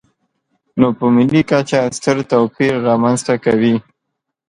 نو په ملي کچه ستر توپیر رامنځته کوي.